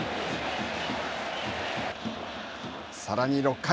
さらに６回。